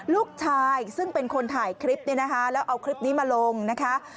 ลูกชายซึ่งเป็นคนถ่ายคลิปเนี่ยนะคะแล้วเอาคลิปนี้มาลงนะคะ